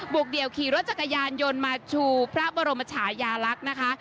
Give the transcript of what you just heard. กเดี่ยวขี่รถจักรยานยนต์มาชูพระบรมชายาลักษณ์นะคะ